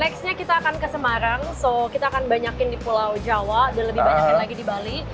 nextnya kita akan ke semarang so kita akan banyakin di pulau jawa dan lebih banyakin lagi di bali